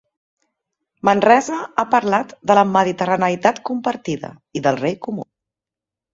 Manresa ha parlat de la mediterraneïtat compartida, i del rei comú.